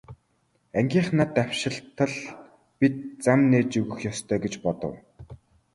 Ангийнхаа давшилтад бид зам нээж өгөх ёстой гэж бодов.